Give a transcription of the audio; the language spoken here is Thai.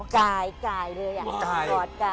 กายเลยกอดกาย